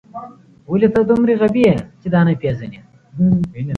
ولې ته دومره غبي یې چې دا نه پېژنې